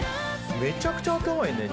めちゃくちゃ頭いいね。